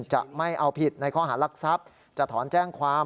จะไม่เอาผิดในข้อหารักทรัพย์จะถอนแจ้งความ